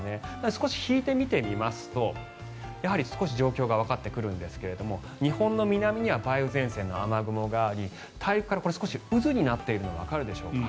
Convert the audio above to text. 少し引いて見てみますと少し状況がわかってくるんですが日本の南には梅雨前線の雨雲があり大陸から渦になっているのがわかるでしょうか。